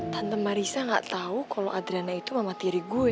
tante marissa gak tau kalau adriana itu mama tiri gue